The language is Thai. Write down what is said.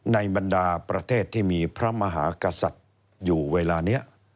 บรรดาประเทศที่มีพระมหากษัตริย์อยู่เวลานี้